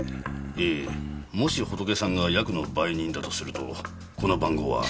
ええもしホトケさんがヤクの売人だとするとこの番号は。